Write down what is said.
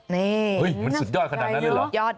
เห้ยมันสุดยอดขนาดนั้นหรอ